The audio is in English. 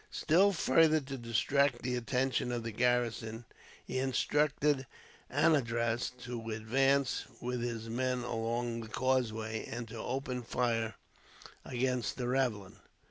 Still further to distract the attention of the garrison, he instructed Anandraz to advance with his men along the causeway, and to open fire against the ravelin.